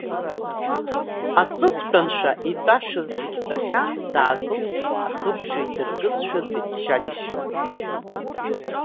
Аҵыхәтәаншәа, итәашаз зегьы тәахьан, даакылҟьеит, ахыбжа идыркызшәа дычча-ччо.